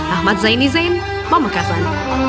ahmad zaini zain pembekasan